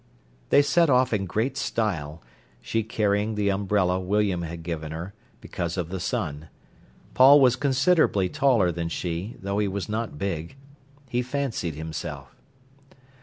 They set off in great style, she carrying the umbrella William had given her, because of the sun. Paul was considerably taller than she, though he was not big. He fancied himself.